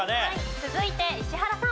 続いて石原さん。